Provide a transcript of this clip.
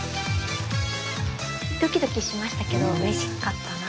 ドキドキしましたけどうれしかったな。